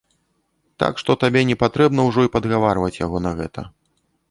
Так што табе не патрэбна ўжо і падгаварваць яго на гэта.